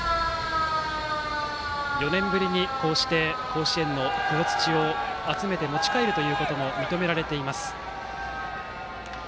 ４年ぶりにこうして甲子園の黒土を集めて持ち帰るということも認められています。